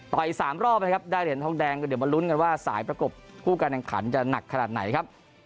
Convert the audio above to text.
อีก๓รอบนะครับได้เหรียญทองแดงก็เดี๋ยวมาลุ้นกันว่าสายประกบคู่การแข่งขันจะหนักขนาดไหนครับ